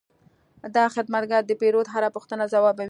دا خدمتګر د پیرود هره پوښتنه ځوابوي.